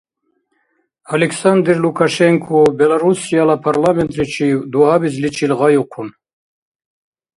Александр Лукашенко Белоруссияла парламентличив дугьабизличил гъайухъун.